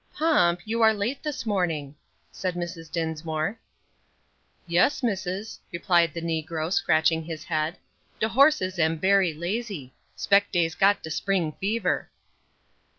"Pomp, you are late this morning," said Mrs. Dinsmore. "Yes, missus," replied the negro, scratching his head, "de horses am berry lazy; spec dey's got de spring fever."